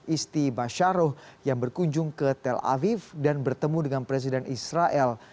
isti basharoh yang berkunjung ke tel aviv dan bertemu dengan presiden israel